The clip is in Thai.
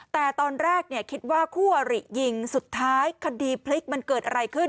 แต่ตอนแรกคิดว่าคู่อริยิงสุดท้ายคดีพลิกมันเกิดอะไรขึ้น